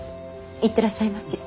行ってらっしゃいまし。